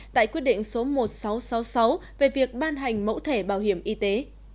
tại quyết định số một nghìn sáu trăm sáu mươi sáu về việc ban hành mẫu thẻ bảo hiểm y tế